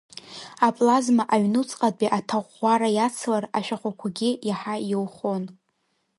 Аплазма аҩнуцҟатәи аҭаӷәӷәара иацлар, ашәахәақәагьы иаҳа иоухон.